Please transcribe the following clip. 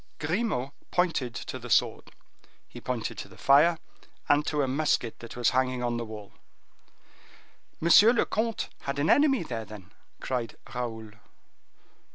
Grimaud pointed to the sword; he pointed to the fire and to a musket that was hanging on the wall. "Monsieur le comte had an enemy there, then?" cried Raoul.